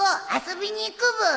遊びに行くブー